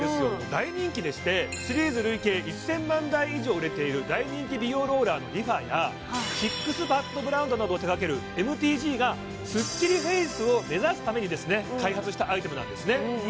大人気でしてシリーズ累計１０００万台以上売れている大人気美容ローラーのＲｅＦａやＳＩＸＰＡＤブランドなどを手がけるＭＴＧがスッキリフェイスを目指すために開発したアイテムなんですね